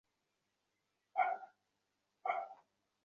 ভালো এটাই হবে, যত জলদি পারছ তোর মাথা থেকে তাকে মুছে ফেল।